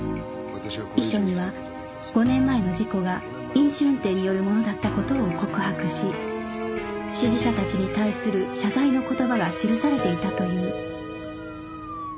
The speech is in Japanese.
遺書には５年前の事故が飲酒運転によるものだったことを告白し支持者達に対する謝罪の言葉が記されていたという